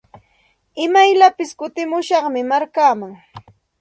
Imayllapis kutimushaqmi markaaman.